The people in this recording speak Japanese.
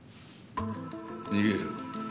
逃げる？